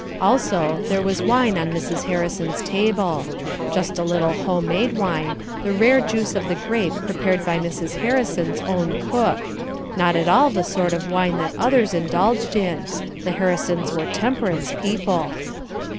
Also, there was wine on Mrs. Harrison's table; just a little home made wine, the rare juice of the grape prepared by Mrs. Harrison's own cook not at all the sort of wine that others indulged in the Harrisons were temperance people.